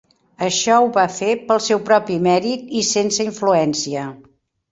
Això ho va fer pel seu propi mèrit i sense influència.